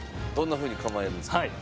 どんなふうに構えるんですか？